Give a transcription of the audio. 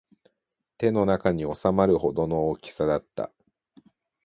手の中に収まるほどの大きさだった